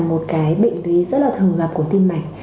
là một cái bệnh lý rất là thường gặp của tim mạch